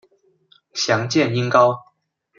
详见音高。